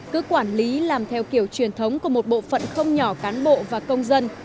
cứ quản lý làm theo kiểu truyền thống của một bộ phận không nhỏ cán bộ và công dân